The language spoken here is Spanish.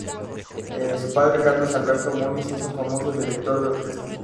Su padre, Carlos Alberto Moniz es un famoso director de orquesta.